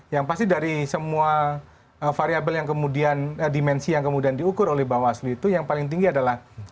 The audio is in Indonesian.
yang pasti dari semua dimensi yang kemudian diukur oleh bawah asli itu yang paling tinggi adalah